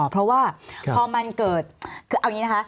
เพราะว่าพอมันเกิดคือเอาอย่างนี้นะคะ